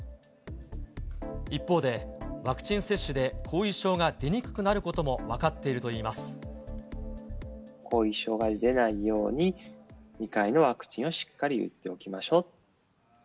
一方で、ワクチン接種で後遺症が出にくくなることも分かっている後遺症が出ないように、２回のワクチンをしっかり打っておきましょう。